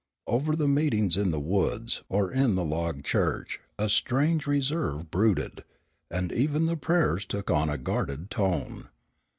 Over the meetings in the woods or in the log church a strange reserve brooded, and even the prayers took on a guarded tone.